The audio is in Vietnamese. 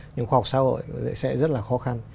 nhưng khoa học xã hội sẽ rất là khó khăn